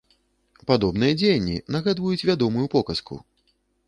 Падобныя дзеянні нагадваюць вядомую показку.